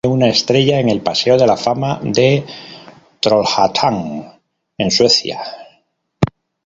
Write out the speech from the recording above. Eklund tiene una estrella en el Paseo de la fama de Trollhättan en Suecia.